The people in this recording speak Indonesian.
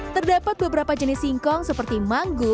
terdapat beberapa jenis singkong seperti manggu